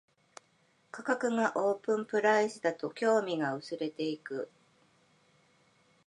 価格がオープンプライスだと興味が薄れていく